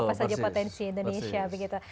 apa saja potensi indonesia begitu